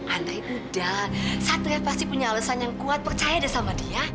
andai udah satria pasti punya alasan yang kuat percaya deh sama dia